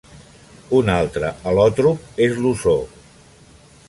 Un altre al·lòtrop és l'ozó.